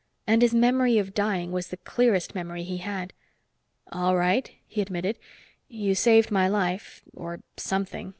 And his memory of dying was the clearest memory he had. "All right," he admitted. "You saved my life or something.